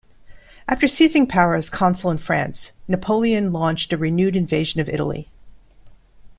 After seizing power as consul in France, Napoleon launched a renewed invasion of Italy.